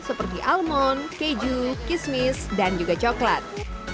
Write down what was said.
seperti almon keju kismis dan juga coklat